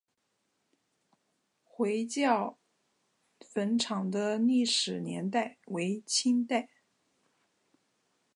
回教坟场的历史年代为清代。